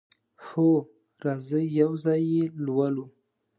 هو، راځئ یو ځای یی لولو